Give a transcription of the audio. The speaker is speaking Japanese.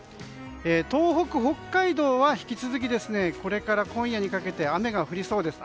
東北、北海道は引き続きこれから今夜にかけて雨が降りそうです。